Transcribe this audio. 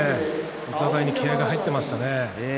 お互いに気合いが入っていましたね。